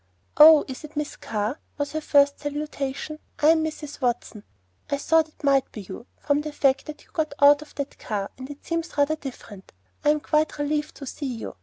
"Oh, is it Miss Carr?" was her first salutation. "I'm Mrs. Watson. I thought it might be you, from the fact that you got out of that car, and it seems rather different I am quite relieved to see you.